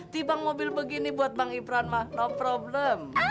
tibang mobil begini buat bang ipran mah no problem